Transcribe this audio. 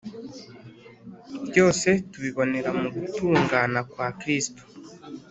byose tubibonera mu gutungana kwa kristo